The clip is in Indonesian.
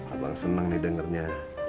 abang senang nih dengernya